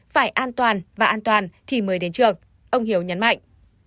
phải an toàn và an toàn thì mới đến trường ông hiếu nhấn mạnh